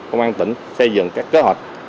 công an tỉnh xây dựng các kế hoạch